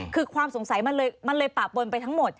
คือความสงสัยมันเลยปะปนไปทั้งหมด